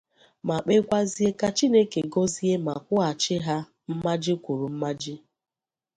ma kpekwazie ka Chineke gọzie ma kwụghàchi ha mmaji kwùrù mmaji.